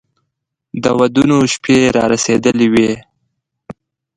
د ودونو شپې را رسېدلې وې.